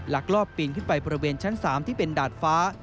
ลอบปีนขึ้นไปบริเวณชั้น๓ที่เป็นดาดฟ้า